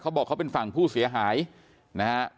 เขาบอกเขาเป็นฝั่งผู้เสียหายนะครับ